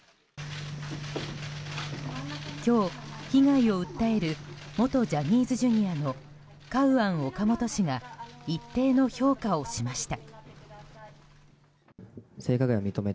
今日、被害を訴える元ジャニーズＪｒ．のカウアン・オカモト氏が一定の評価をしました。